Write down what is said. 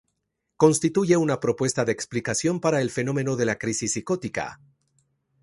Constituye una propuesta de explicación para el fenómeno de la crisis psicótica.